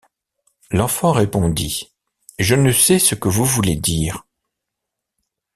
L’enfant répondit: — Je ne sais ce que vous voulez dire.